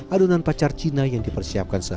adonan pacar cina yang dipersiapkan